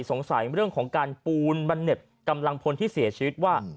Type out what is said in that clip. สงสัยเรื่องของการปูนบันเน็บกำลังพลที่เสียชีวิตว่า